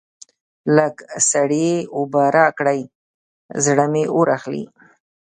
لږ سړې اوبه راکړئ؛ زړه مې اور اخلي.